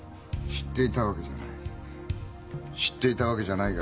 知っていたわけじゃない。